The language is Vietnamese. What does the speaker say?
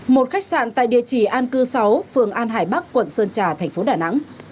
một khách sạn tại địa chỉ an cư sáu phường an hải bắc quận sơn trà thành phố đà nẵng